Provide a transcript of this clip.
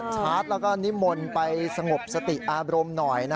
ชาร์จแล้วก็นิมนต์ไปสงบสติอารมณ์หน่อย